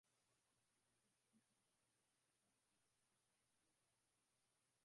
movement for democratic change waliokuwa wanasema kuwa